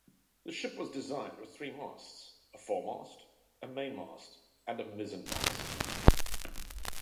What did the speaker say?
The ship was designed with three masts: a foremast, a mainmast, and a mizzenmast.